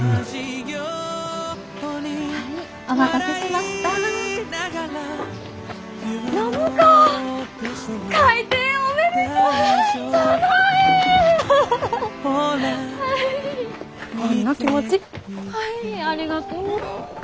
アイありがとう。